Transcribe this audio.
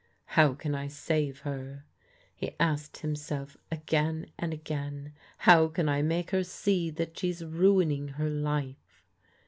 "How can I save her?" he asked himself again and again, "how can I make her see that she's ruining her life?"